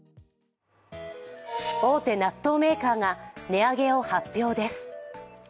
大手納豆メーカーが値上げを発表です。